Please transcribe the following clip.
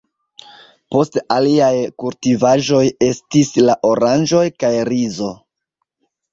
Poste aliaj kultivaĵoj estis la oranĝoj kaj rizo.